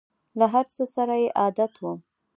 له هر څه سره یې عادت وم !